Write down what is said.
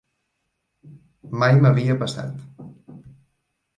Mai m'havia passat.